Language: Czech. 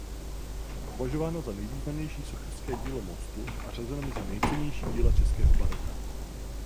Je považováno za nejvýznamnější sochařské dílo mostu a řazeno mezi nejcennější díla českého baroka.